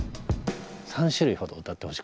３種類ほど歌ってほしくて。